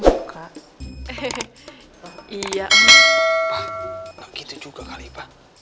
pak gak gitu juga kali pak